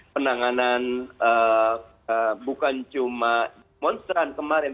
penanganan bukan cuma demonstran kemarin